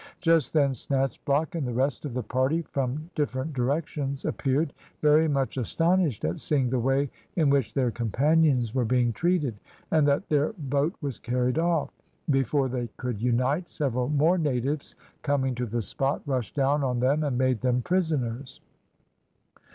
Just then, Snatchblock and the rest of the party from different directions, appeared, very much astonished at seeing the way in which their companions were being treated, and that their boat was carried off. Before they could unite, several more natives coming to the spot, rushed down on them and made them prisoners.